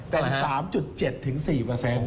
เป็น๓๗๔เปอร์เซ็นต์